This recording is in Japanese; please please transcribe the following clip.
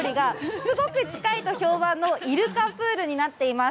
すごく近いと評判のイルカプールになっています。